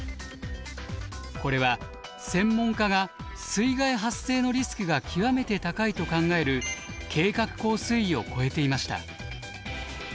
これは専門家が「水害発生のリスクが極めて高い」と考える計画高水位を超えていました。